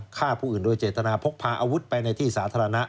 ฆ่าผู้อื่นโดยเจตนาพกพาอาวุธไปในที่สาธารณะ